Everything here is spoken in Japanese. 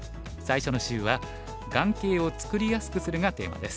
最初の週は「眼形を作りやすくする」がテーマです。